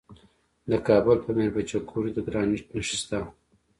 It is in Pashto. د کابل په میربچه کوټ کې د ګرانیټ نښې شته.